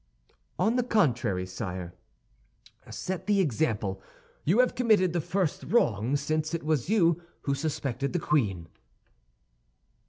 "On the contrary, sire, set the example. You have committed the first wrong, since it was you who suspected the queen."